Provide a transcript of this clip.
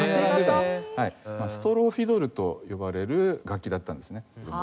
ストローフィドルと呼ばれる楽器だったんですね。